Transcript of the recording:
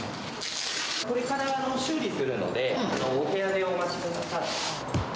これから修理するので、お部屋でお待ちください。